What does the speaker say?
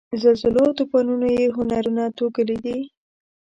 زلزلو او توپانونو یې هنرونه توږلي دي.